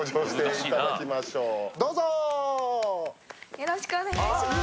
よろしくお願いします。